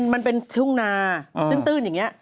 มันเป็นทุ่งนาตื้นอย่างนี้